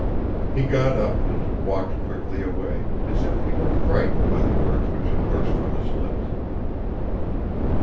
He got up and walked quickly away, as if he were frightened by the words which had burst from his lips.